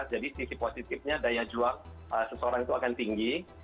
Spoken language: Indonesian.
jadi sisi positifnya daya juang seseorang itu akan tinggi